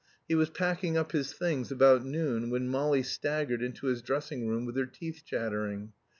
He was packing up his things about noon, when Molly staggered into his dressing room with her teeth chattering.